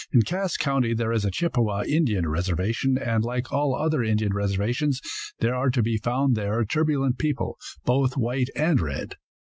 In Cass county there is a Chippewa Indian reservation, and like all other Indian reservations, there are to be found there turbulent people, both white and red.